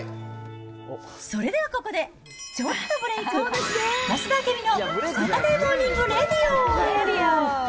それではここで、ちょっとブレーク、増田明美のサタデーモーニングレイディオ。